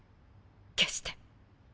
決して。